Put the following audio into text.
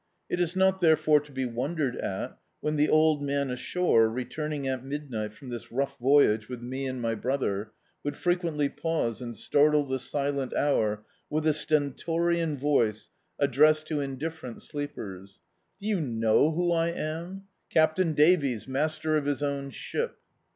It is not therefore to be won dered at when the old man ashore, returning at midni^t from this rough voyage with me and my brother, would frequently pause and startle the silent hour with a stentorian voice addressed to D,i.,.db, Google Childhood indifferent sleepers — "Do you know who I am? Captain Davies, master of his own ship."